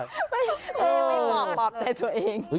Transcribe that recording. ไม่เหมาะปอบใจตัวเอง